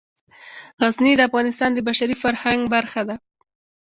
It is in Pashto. غزني د افغانستان د بشري فرهنګ برخه ده.